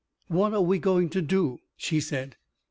"What are we going to do?" she said.